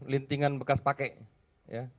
lintingan bekas pake ya